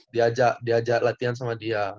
diajak diajak latihan sama dia